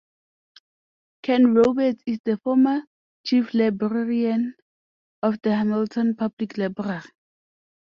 Ken Roberts is the former Chief Librarian of the Hamilton Public Library.